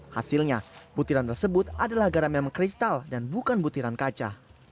hasilnya butiran tersebut adalah garam yang mengkristal dan bukan butiran kaca